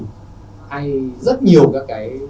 hay rất nhiều các cái